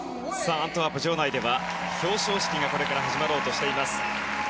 アントワープ場内では表彰式がこれから始まろうとしています。